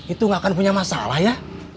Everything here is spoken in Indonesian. itu nggak akan punya masalah ya